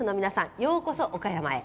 ようこそ岡山へ。